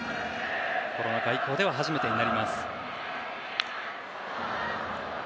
コロナ禍以降では初めてになります。